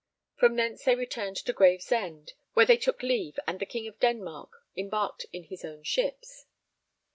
From thence they returned to Gravesend, where they took leave and the King of Denmark embarked in his own ships.